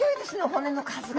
骨の数が。